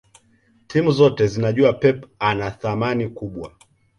timu zote zinajua pep ana thamani kubwa